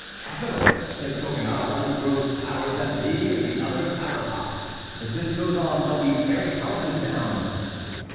"Capital!" said Coconnas; "one throws flowers at me and at the other, flower pots; if this goes on, they'll be tearing houses down!"